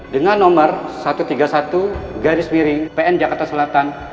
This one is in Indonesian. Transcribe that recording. dengan nomor satu ratus tiga puluh satu garis miring pn jakarta selatan